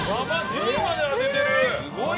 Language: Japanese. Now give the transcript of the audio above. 順位まで当ててる。